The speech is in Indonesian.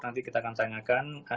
nanti kita akan tanyakan